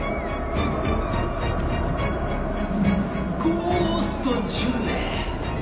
ゴースト１０年。